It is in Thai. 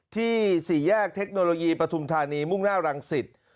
ที่๔แยกเทคโนโลยีประทุมธานีมุ่งหน้ารังศิษย์